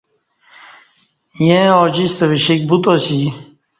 ییں اوجیستہ وشِیک بوتاسی